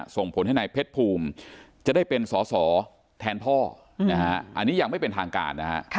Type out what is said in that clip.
ส่งผลให้นายเพชรภูมิจะได้เป็นสอสอแทนพ่อนะฮะอันนี้ยังไม่เป็นทางการนะฮะ